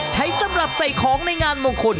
สำหรับใส่ของในงานมงคล